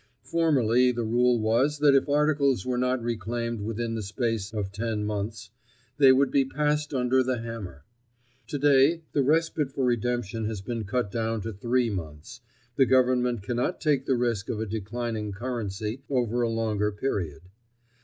Formerly the rule was that if articles were not reclaimed within the space of ten months, they would be passed under the hammer. Today the respite for redemption has been cut down to three months; the Government cannot take the risk of a declining currency over a longer period.